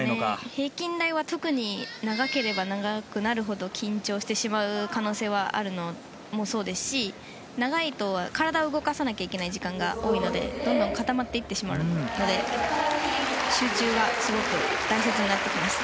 平均台は特に長ければ長くなるほど緊張してしまう可能性もありますし長いと体を動かさなきゃいけない時間が多いのでどんどん固まっていってしまうので集中がすごく大切です。